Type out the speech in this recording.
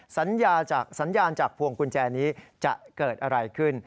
สัญญาณจากพวงกุญแจนี้จะเกิดอะไรขึ้น